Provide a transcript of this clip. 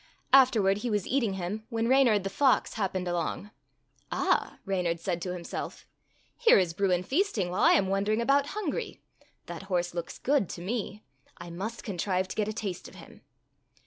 Afterward he was eating him when Reynard, the fox, happened along. ''Ah!" Reynard said to himself, "here is Bruin feasting while I am wandering about hungry. That horse looks good to me. I must contrive to get a taste of him."